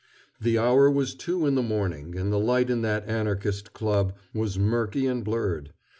The hour was two in the morning, and the light in that Anarchist Club was murky and blurred.